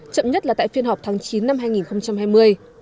chậm nhất là tại phiên họp tháng chín năm hai nghìn hai mươi